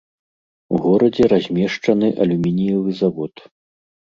У горадзе размешчаны алюмініевы завод.